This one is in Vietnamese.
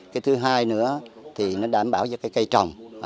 cái thứ hai nữa thì nó đảm bảo cho cây trồng